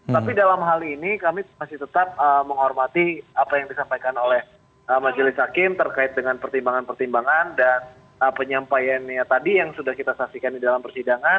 tapi dalam hal ini kami masih tetap menghormati apa yang disampaikan oleh majelis hakim terkait dengan pertimbangan pertimbangan dan penyampaiannya tadi yang sudah kita saksikan di dalam persidangan